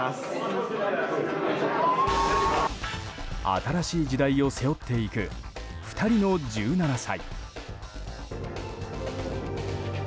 新しい時代を背負っていく２人の１７歳。